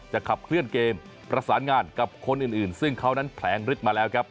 ขับเคลื่อนเกมประสานงานกับคนอื่นซึ่งเขานั้นแผลงฤทธิ์มาแล้วครับ